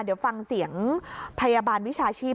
เดี๋ยวฟังเสียงพยาบาลวิชาชีพ